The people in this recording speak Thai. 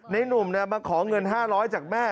หนุ่มมาขอเงิน๕๐๐จากแม่